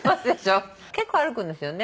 結構歩くんですよね。